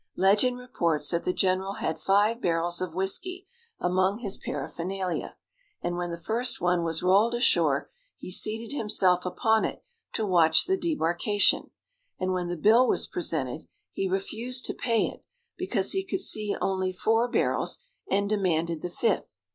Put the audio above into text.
Legend reports that the general had five barrels of whisky among his paraphernalia, and when the first one was rolled ashore he seated himself upon it to watch the debarkation, and when the bill was presented he refused to pay it because he could see only four barrels, and demanded the fifth.